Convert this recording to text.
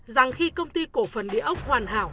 rằng khi công ty cổ phần địa ốc hoàn hảo